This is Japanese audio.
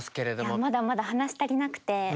まだまだ話し足りなくて。